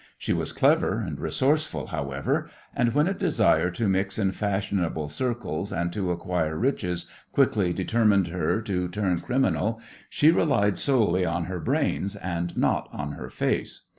She was clever and resourceful, however, and when a desire to mix in fashionable circles and to acquire riches quickly determined her to turn criminal she relied solely on her brains and not on her face.